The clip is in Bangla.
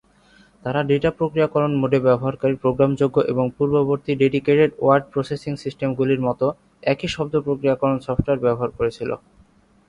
তারা ডেটা-প্রক্রিয়াকরণ মোডে ব্যবহারকারী-প্রোগ্রামযোগ্য এবং পূর্ববর্তী ডেডিকেটেড ওয়ার্ড প্রসেসিং সিস্টেমগুলির মতো একই শব্দ প্রক্রিয়াকরণ সফ্টওয়্যার ব্যবহার করেছিল।